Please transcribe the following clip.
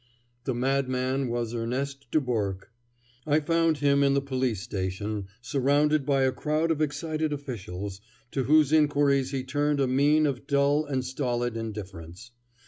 The madman was Erneste Dubourque. I found him in the police station, surrounded by a crowd of excited officials, to whose inquiries he turned a mien of dull and stolid indifference.